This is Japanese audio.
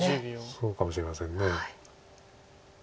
そうかもしれません。